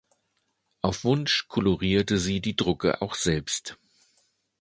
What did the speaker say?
Auf Wunsch kolorierte sie die Drucke auch selbst.